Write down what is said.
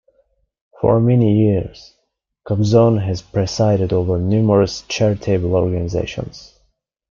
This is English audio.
For many years, Kobzon has presided over numerous charitable organisations.